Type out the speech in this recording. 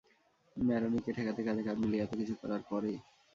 ম্যারোনিকে ঠেকাতে কাঁধে কাঁধ মিলিয়ে এতকিছু করার পরে?